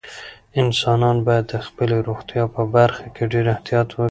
انسانان باید د خپلې روغتیا په برخه کې ډېر احتیاط وکړي.